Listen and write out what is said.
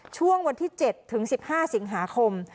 ช่วงวันที่๗ถึง๑๕สิงหาคม